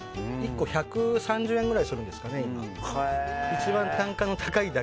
１個１３０円ぐらいしますかね。